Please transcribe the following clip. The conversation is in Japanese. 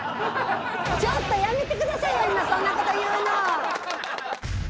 ちょっとやめてくださいよ、今、そんなこと言うの。